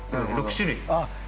６種類。